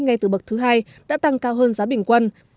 ngay từ bậc thứ hai đã tăng cao hơn giá bình quân